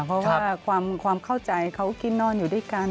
เพราะว่าความเข้าใจเขากินนอนอยู่ด้วยกัน